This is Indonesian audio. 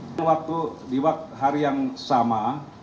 di waktu hari yang sama